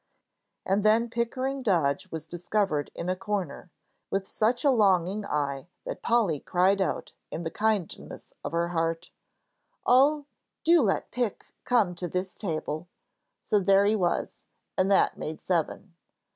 And then Pickering Dodge was discovered in a corner, with such a longing eye that Polly cried out in the kindness of her heart, "Oh, do let Pick come to this table," so there he was, and that made seven.